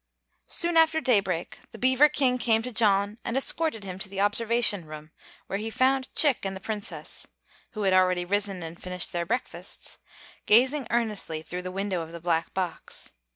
Soon after daybreak the Beaver King came to John and escorted him to the Observation Room, where he found Chick and the Princess who had already risen and finished their breakfasts gazing earnestly through the window of the black box.